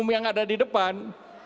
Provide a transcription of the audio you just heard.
yang ada di depan